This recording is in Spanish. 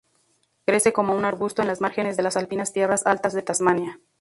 Crece como un arbusto en las márgenes de las alpinas Tierras Altas de Tasmania.